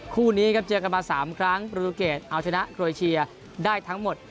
คู่นี้ครับเจอกันมา๓ครั้งประตูเกตเอาชนะโครเอเชียได้ทั้งหมด